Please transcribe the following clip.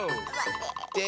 で